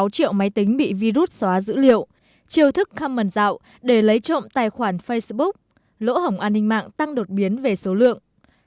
một sáu triệu máy tính bị virus xóa dữ liệu triều thức common rạo để lấy trộm tài khoản facebook lỗ hỏng an ninh mạng tăng đột biến về số lượng